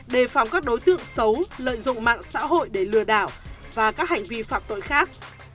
đề phòng các đối tượng xấu lợi dụng mạng xã hội để lừa đảo và các hành vi phạm tội khác